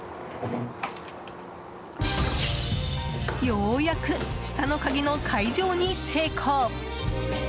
ようやく、下の鍵の解錠に成功。